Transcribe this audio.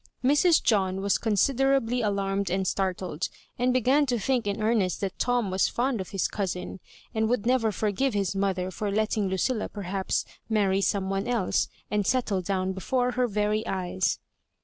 Mrs. John was con siderably alarmed and startled, and began to think in earnest that Tom was fond of his cou sin, and would never forgive his mother for letting Lucilla perhaps marry some one else, and settle down before her very eyes.